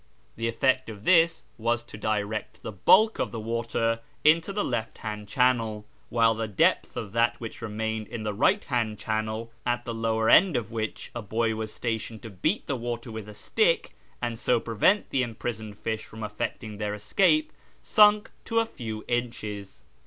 The effect of this was to direct the bulk of the water into the left hand channel, while the deptli of that which remained in the right hand channel (at the lower end of which a boy was stationed to beat the water with a stick, and so prevent the imprisoned fish from effecting their escape) sunk to a few inches.